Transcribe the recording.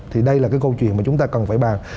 thì đây là cái câu chuyện mà chúng ta cần phải bàn